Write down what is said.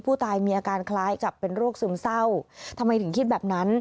ผู้ตายมีอาการคล้ายกับเป็นโรคซึมเศร้าทำไมถึงคิดแบบนั้น